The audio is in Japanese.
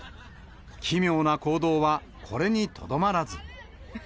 奇妙な行動はこれにとどまらず。